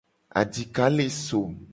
Adika le som.